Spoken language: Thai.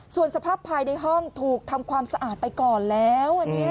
ส่วนสภาพภายในห้องถูกทำความสะอาดไปก่อนแล้ว